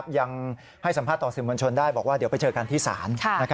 ยังให้สัมภาษณ์ต่อสื่อมวลชนได้บอกว่าเดี๋ยวไปเจอกันที่ศาล